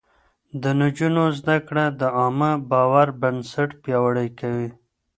د نجونو زده کړه د عامه باور بنسټ پياوړی کوي.